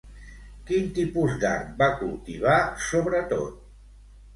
Quin tipus d'art va cultivar, sobretot?